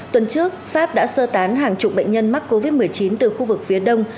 tuần trước pháp đã sơ tán hàng chục bệnh nhân mắc covid một mươi chín từ khu vực phía đông